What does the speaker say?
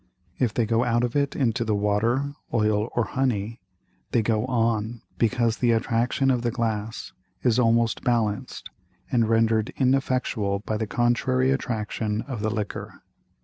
If they go out of it into the Water, Oil, or Honey, they go on, because the Attraction of the Glass is almost balanced and rendered ineffectual by the contrary Attraction of the Liquor.